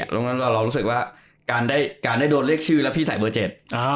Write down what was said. ดังนั้นเรารู้สึกว่าก็ได้โทรเรียกชื่อแล้วพี่สายเบอร์เจ่น